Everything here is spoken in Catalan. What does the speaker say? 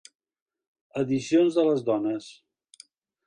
Edicions de les dones.